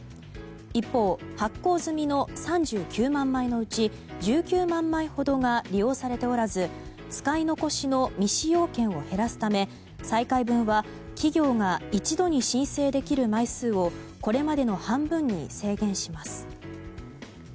一方、発行済みの３９万枚のうち１９万枚ほどが利用されておらず使い残しの未使用券を減らすため再開分は企業が一度に申請できる枚数をこれまでの半分に制限します。